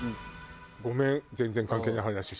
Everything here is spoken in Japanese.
ごめん全然関係ない話して。